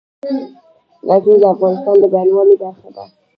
غزني د افغانستان د بڼوالۍ برخه ده.